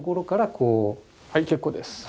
はい結構です。